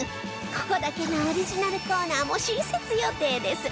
ここだけのオリジナルコーナーも新設予定です